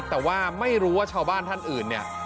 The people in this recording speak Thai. แต่ว่าไม่รู้ว่าชาวบ้านท่านอื่นเนี่ย